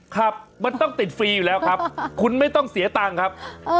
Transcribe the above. ครับมันต้องติดฟรีอยู่แล้วครับคุณไม่ต้องเสียตังค์ครับ